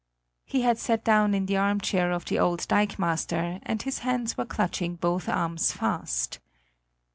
He had sat down in the armchair of the old dikemaster, and his hands were clutching both arms fast.